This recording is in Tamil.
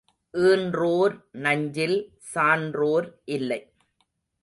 ஈன்றோர் நஞ்சில் சான்றோர் இல்லை.